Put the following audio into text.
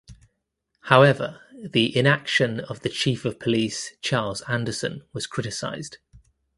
However the inaction of the Chief of Police Charles Anderson was criticised.